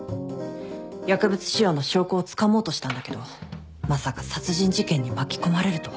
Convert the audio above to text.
薬物使用の証拠をつかもうとしたんだけどまさか殺人事件に巻き込まれるとは。